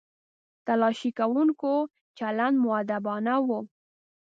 تلاښي کوونکو چلند مؤدبانه و.